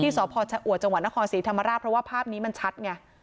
สพชะอวดจังหวัดนครศรีธรรมราชเพราะว่าภาพนี้มันชัดไง